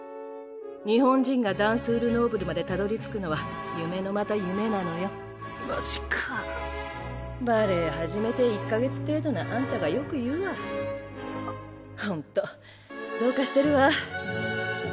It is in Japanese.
日本人がダンスール・ノーブルまでたどりつくのは夢のまた夢なのよマジかバレエ始めて１か月程度のあんたがああっほんとどうかあっ